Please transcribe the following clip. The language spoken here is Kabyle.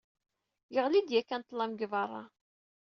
Yeɣli-d yakkan ṭṭlam g beṛṛa.